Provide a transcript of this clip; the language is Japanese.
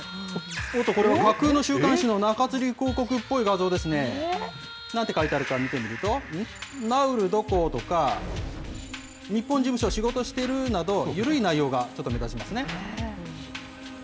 これは架空の週刊誌の中づりっ広告っぽい画像ですね。なんて書いてあるか見てみると、ナウルどこ？とか、日本事務所、仕事してる？とか、緩い内容がちょっと目立ちますね。